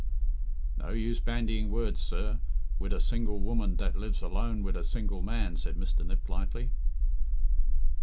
"No use bandying words, sir, wid a single woman dat lives alone wid a single man," said Mr. Niplightly.